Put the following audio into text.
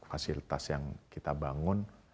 fasilitas yang kita bangun